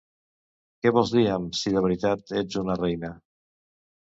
Què vols dir amb "si de veritat ets una reina?"